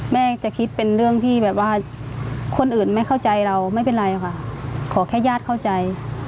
แม่จะคิดเป็นเรื่องที่แบบว่าคนอื่นไม่เข้าใจเราไม่เป็นไรค่ะขอแค่ญาติเข้าใจ